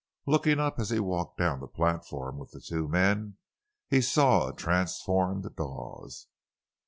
Looking up as he walked down the platform with the two men, he saw a transformed Dawes.